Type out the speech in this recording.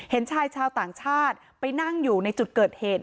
เห็นชายชาวต่างชาติไปนั่งอยู่ในจุดเกิดเหตุ